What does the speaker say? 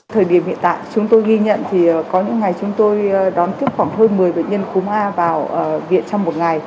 thời điểm hiện tại chúng tôi ghi nhận thì có những ngày chúng tôi đón tiếp khoảng hơn một mươi bệnh nhân cúm a vào viện trong một ngày